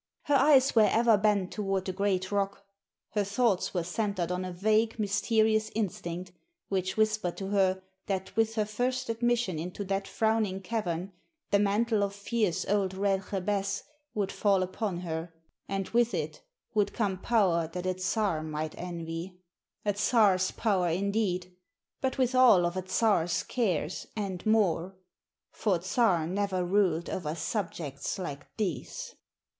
Her eyes were ever bent toward the great rock; her thoughts were centered on a vague, mysterious instinct which whispered to her that with her first admission into that frowning cavern the mantle of fierce old Red Jabez would fall upon her, and with it would come power that a Czar might envy! A Czar's power, indeed, but with all of a Czar's cares and more; for Czar never ruled over subjects like these.